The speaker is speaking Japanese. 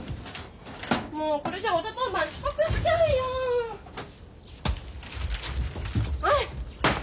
もうこれじゃお茶当番遅刻しちゃうよ！はいっ。